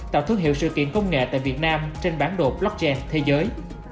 tạo thương hiệu sự kiện công nghệ tại việt nam trên bản đồ blockchain thế giới